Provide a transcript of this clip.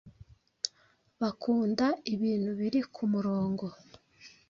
bakunda ibintu biri ku murongo.